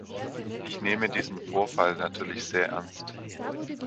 Ich nehme diesen Vorfall natürlich sehr ernst.